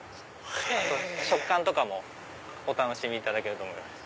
あと食感とかもお楽しみいただけると思います。